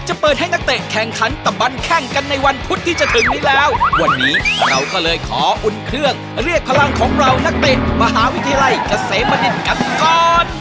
อันนี้ก็ง่ายมากที่จะถึงนี้แล้ววันนี้เราก็เลยขออุ่นเครื่องเรียกพลังของเรานักเต็ดมาหาวิทยาลัยเกษตรมันดิตก่อน